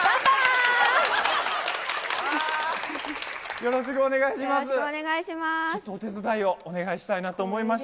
よろしくお願いします。